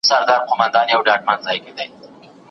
او د بل عیب همېشه د کلي منځ دی»